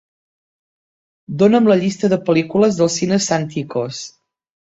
Dóna'm la llista de pel·lícules dels cines Santikos